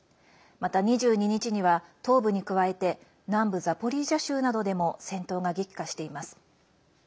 また２２日には、東部に加えて南部ザポリージャ州などでも戦闘が激化しています。